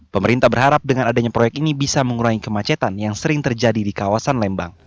pemerintah berharap dengan adanya proyek ini bisa mengurangi kemacetan yang sering terjadi di kawasan lembang